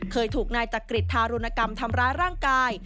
เคยถูกนายจักริตทารุณกรรมทำร้ายร่างกาย